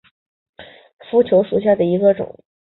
福建绣球为虎耳草科绣球属下的一个种。